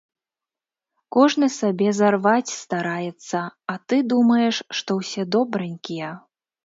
Кожны сабе зарваць стараецца, а ты думаеш, што ўсе добранькія?